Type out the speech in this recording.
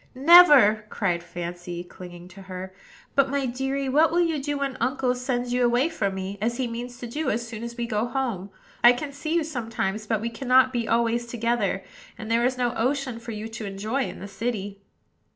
"Never," cried Fancy, clinging to her. "But, my deary, what will you do when uncle sends you away from me, as he means to do as soon as we go home? I can see you sometimes; but we cannot be always together, and there is no ocean for you to enjoy in the city."